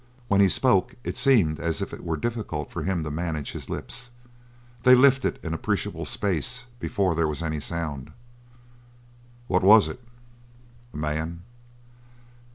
When he spoke it seemed as if it were difficult for him to manage his lips. They lifted an appreciable space before there was any sound. "What was it?" "A man."